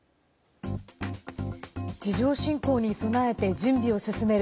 地上侵攻に備えて準備を進める